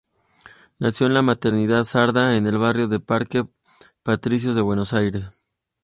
Nació en la Maternidad Sardá, en el barrio de Parque Patricios de Buenos Aires.